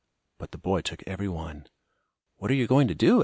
But the boy took every one. "What are you going to do?"